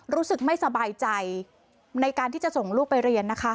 รู้สึกไม่สบายใจในการที่จะส่งลูกไปเรียนนะคะ